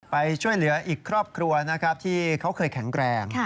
ไปช่วยเหลืออีกครอบครัวนะครับที่เขาเคยแข็งแรง